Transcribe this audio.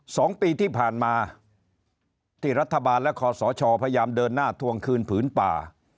สองปีที่ผ่านมาที่รัฐบาลและคอสชพยายามเดินหน้าทวงคืนผืนป่า